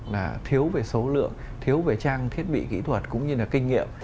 là thiếu về số lượng thiếu về trang thiết bị kỹ thuật cũng như là kinh nghiệm